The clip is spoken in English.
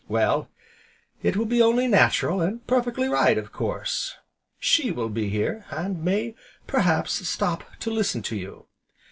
Well, it will be only natural, and perfectly right, of course, She will be here, and may, perhaps, stop to listen to you.